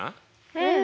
うん！